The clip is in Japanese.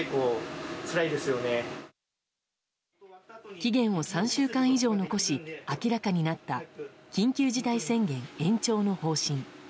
期限を３週間以上残し明らかになった緊急事態宣言延長の方針。